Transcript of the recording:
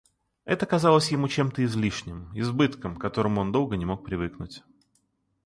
Это казалось ему чем-то излишним, избытком, к которому он долго не мог привыкнуть.